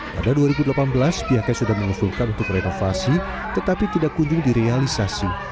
pada dua ribu delapan belas pihaknya sudah mengusulkan untuk renovasi tetapi tidak kunjung direalisasi